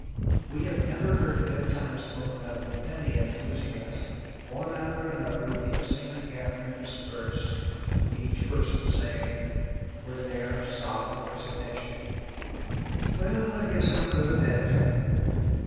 We have never heard bedtime spoken of with any enthusiasm. One after another we have seen a gathering disperse, each person saying (with an air of solemn resignation): "Well, I guess I'll go to bed."